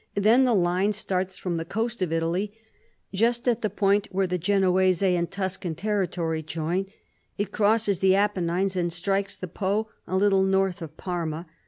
Then the line starts from the coast of Italy, just at the point where the Genoese and Tuscan territory join : it crosses the Apennines and strikes the Po a little north of Parma.